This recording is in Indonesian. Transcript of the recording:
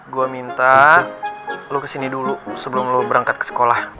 gue minta lo kesini dulu sebelum lo berangkat ke sekolah